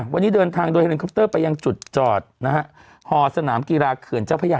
วันนี้เดินทางโดยเฮลิคอปเตอร์ไปยังจุดจอดนะฮะหอสนามกีฬาเขื่อนเจ้าพระยา